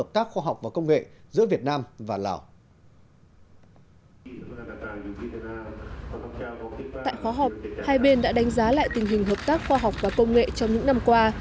tại khóa họp hai bên đã đánh giá lại tình hình hợp tác khoa học và công nghệ trong những năm qua